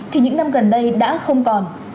thì những năm gần đây đã không còn